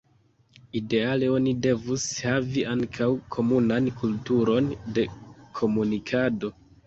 Ideale oni devus havi ankaŭ komunan kulturon de komunikado.